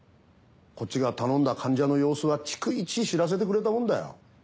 こっちが頼んだ患者の様子は逐一知らせてくれたもんだよ。